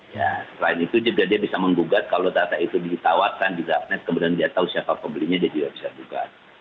ya selain itu dia bisa mengugat kalau data itu ditawarkan di darkness kemudian dia tahu siapa pembelinya dia juga bisa duga